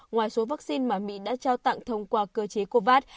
ngoài số vaccine mà mỹ đã trao tặng thông qua cơ chế covax